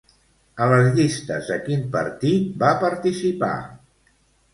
A les llistes de quin partit va participar?